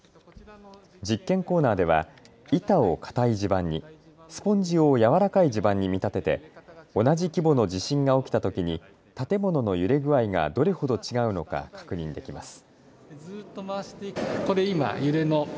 実験コーナーでは板を固い地盤に、スポンジを軟らかい地盤に見立てて同じ規模の地震が起きたときに建物の揺れ具合がどれほど違うのか確認できます。